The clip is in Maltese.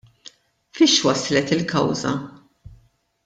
Fiex waslet il-kawża?